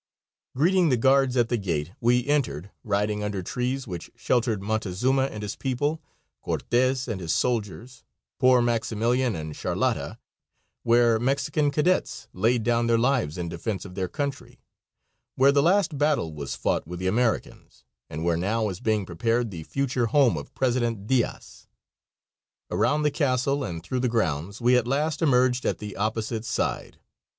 Greeting the guards at the gate, we entered, riding under trees which sheltered Montezuma and his people, Cortes and his soldiers, poor Maximilian and Charlotta, where Mexican cadets laid down their lives in defense of their country, where the last battle was fought with the Americans, and where now is being prepared the future home of President Diaz. Around the castle and through the grounds we at last emerged at the opposite side.